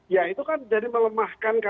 ya itu kan jadi melemahkan kpk